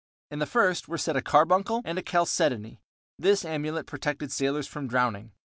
In the first were set a carbuncle and a chalcedony; this amulet protected sailors from drowning.